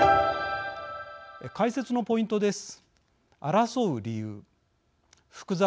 解説のポイントです。